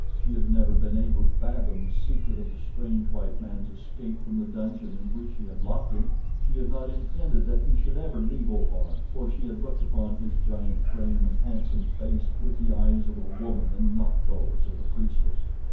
She had never been able to fathom the secret of the strange white man's escape from the dungeon in which she had locked him. She had not intended that he should ever leave Opar, for she had looked upon his giant frame and handsome face with the eyes of a woman and not those of a priestess.